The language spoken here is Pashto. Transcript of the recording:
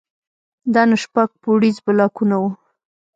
دا نو شپږ پوړيز بلاکونه وو.